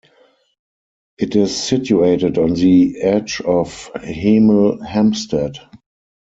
It is situated on the edge of Hemel Hempstead.